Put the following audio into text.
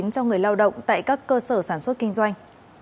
cho người lao động tại các cơ sở sản xuất kinh doanh